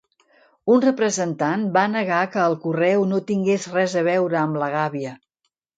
Un representant va negar que el correu no tingués res a veure amb la gàbia.